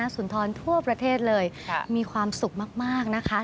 สุนทรทั่วประเทศเลยมีความสุขมากนะคะ